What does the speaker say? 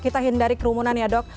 kita hindari kerumunan ya dok